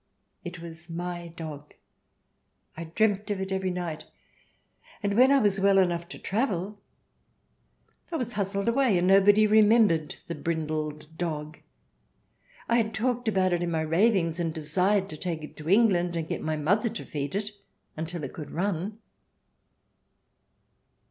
It was my dog ; I dreamt of it every night. And when I was well enough to travel, I was hustled away and nobody remembered the brindled dog I had talked about in my ravings and desired to take to England and get my mother to feed until it could run.